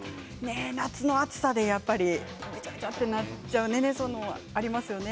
夏の暑さで、ぐちゃぐちゃになっちゃうことありますよね。